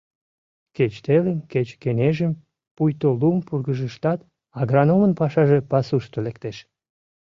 Кеч телым, кеч кеҥежым, пуйто лум пургыжыштат агрономын пашаже пасушто лектеш.